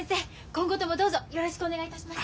今後ともどうぞよろしくお願いいたします。